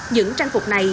những trang phục này